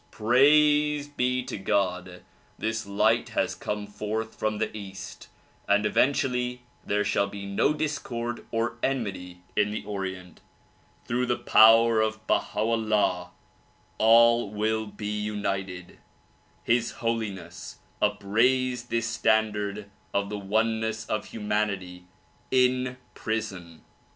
Praise be to God ! this light has come forth from the east and eventually there shall be no discord or enmity in the Orient. Through the power of Baha 'Ullah all will be united. His Holiness upraised this standard of the one 198 THE PROMULGATION OF UNIVERSAL PEACE ness of humanity, in prison.